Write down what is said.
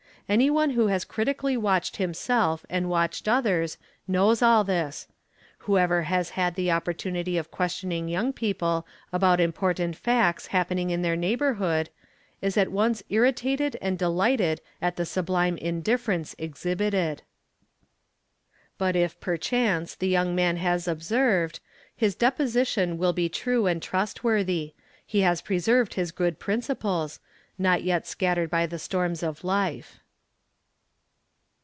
Any one who has critically watched himself and watched others, knows all this; whoever has had the oppor — tunity of questioning young people about important facts happening in~ their neighbourhood, is at once irritated and delighted at the suibline indifference exhibited. But if perchance the young man has observed, his deposition will be true and trustworthy, he has preserved his good principles, not yet scattered by the storms of life.